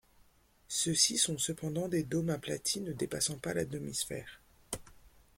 Ceux-ci sont cependant des dômes aplatis ne dépassant pas la demi-sphère.